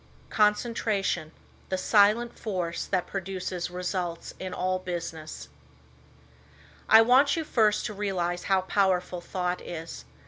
CONCENTRATION, THE SILENT FORCE THAT PRODUCES RESULTS IN ALL BUSINESS I want you first to realize how powerful thought is.